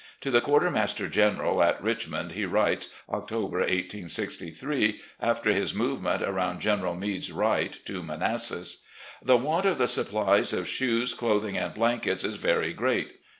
To the Quartermaster General, at Richmond, he writes, October, 1863, after his move ment around General Meade's right, to Manassas: "... The want of the supplies of shoes, clothing and blankets is very great.